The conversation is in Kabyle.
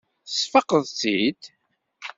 Tesfaqeḍ-tt-id.